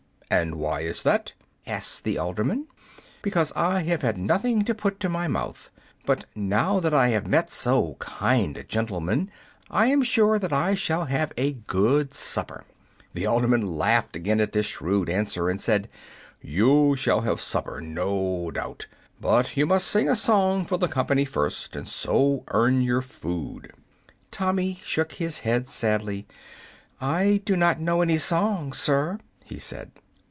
"And why is that?" asked the alderman. "Because I have had nothing to put to my mouth. But now that I have met so kind a gentleman, I am sure that I shall have a good supper." The alderman laughed again at this shrewd answer, and said, "You shall have supper, no doubt; but you must sing a song for the company first, and so earn your food." Tommy shook his head sadly. "I do not know any song, sir," he said.